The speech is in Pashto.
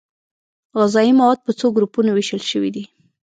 غذايي مواد په څو ګروپونو ویشل شوي دي